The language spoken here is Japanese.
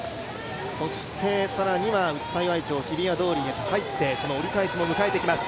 そして、さらには内幸町、日比谷通りに入ってその折り返しも迎えていきます。